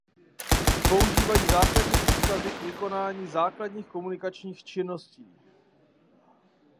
Používají základní příkazy k vykonání základních komunikačních činností.